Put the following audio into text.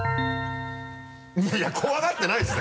いやいや怖がってないでしょ